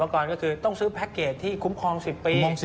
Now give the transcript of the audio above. ก็คือต้องซื้อแพคเกจที่คุ้มครองสิบปี